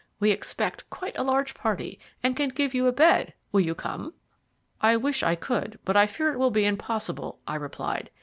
We expect quite a large party, and can give you a bed will you come?" "I wish I could, but I fear it will be impossible," I replied.